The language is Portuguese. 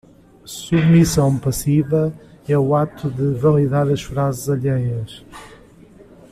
submissão passiva é o ato de validar as frases alheias